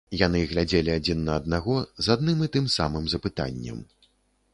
Яны глядзелі адзін на аднаго з адным і тым самым запытаннем.